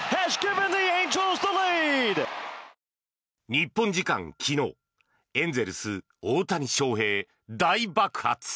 日本時間昨日エンゼルス、大谷翔平、大爆発。